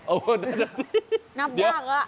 เอ้านำยากละ